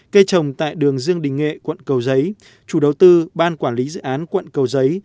cây trồng tại đường dương đình nghệ quận cầu giấy chủ đầu tư ban quản lý dự án quận cầu giấy